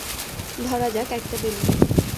ধরা যাক, একটা বেলুন।